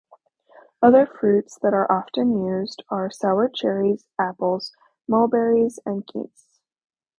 Other fruits that are often used are sour cherries, apples, mulberries and quince.